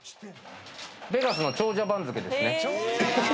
ベガスの長者番付ですね。